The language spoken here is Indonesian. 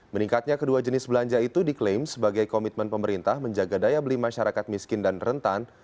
meningkatnya kedua jenis belanja itu diklaim sebagai komitmen pemerintah menjaga daya beli masyarakat miskin dan rentan